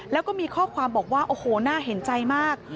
แล้วก็มีข้อความบอกว่าโอ้โหน่าเห็นใจมาก